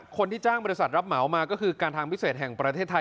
คนที่จ้างบริษัทรับเหมามาก็คือการทางพิเศษแห่งประเทศไทย